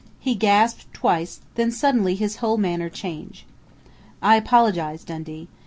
He gasped twice, then suddenly his whole manner changed. "I apologize, Dundee.